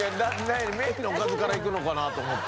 メインのおかずからいくのかなと思って。